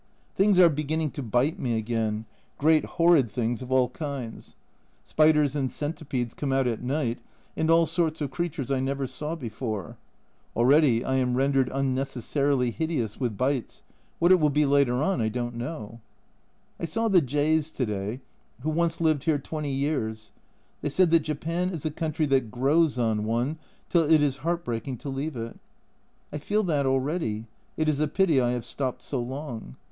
Things are beginning to bite me again, great horrid things of all kinds. 160 A Journal from Japan Spiders and centipedes come out at night, and all sorts of creatures I never saw before ; already I am rendered unnecessarily hideous with bites, what it will be later on I don't know. I saw the J s to day, who once lived here twenty years ; they said that Japan is a country that "grows on one" till it is heart breaking to leave it. I feel that already, it is a pity I have stopped so long.